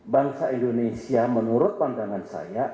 bangsa indonesia menurut pandangan saya